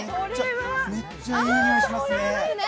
めっちゃいいにおいしますね。